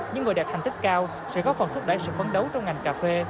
những người đẹp hành tích cao sẽ có phần thúc đẩy sự phấn đấu trong ngành cà phê